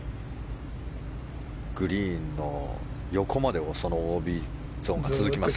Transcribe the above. グリーンの横までそのＯＢゾーンが続きます。